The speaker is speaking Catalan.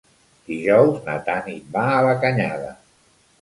Dijous na Tanit va a la Canyada.